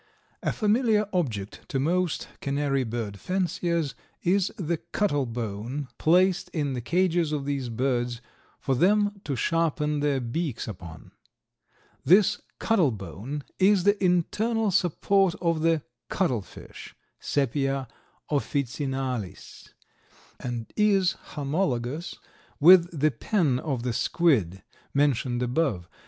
A familiar object to most canary bird fanciers is the cuttle bone placed in the cages of these birds for them to sharpen their beaks upon. This "cuttle bone" is the internal support of the Cuttle fish (Sepia officinalis) and is homologous with the pen of the squid, mentioned above.